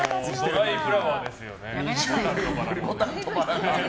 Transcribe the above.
ドライフラワーですよね。